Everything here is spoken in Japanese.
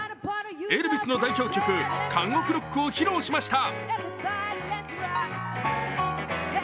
エルヴィスの代表曲「監獄ロック」を披露しました。